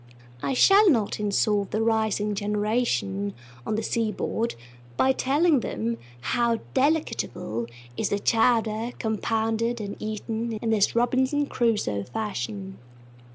I shall not insult the rising generation on the seaboard by telling them how delectable is a chowder compounded and eaten in this Robinson Crusoe fashion.